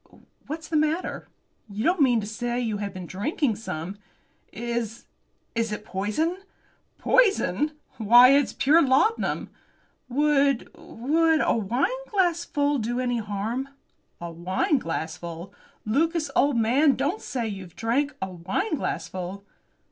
What's the matter? You don't mean to say you have been drinking some?" "Is is it poison?" "Poison! Why, it's pure laudanum!" "Would would a wineglassful do any harm?" "A wineglassful! Lucas, old man, don't say you've drank a wineglassful!"